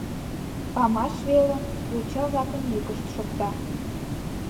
Памаш велым йоча-влакын йӱкышт шокта.